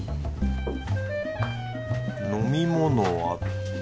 飲み物は。